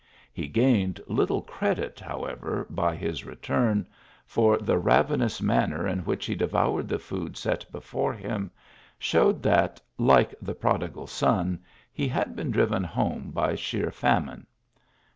He gained little cred % however, by his returr for the ravenous man ner ii \vhich he devoured the food set before him, shmved that, like the prodigal son, he had been driven home by sheer famine.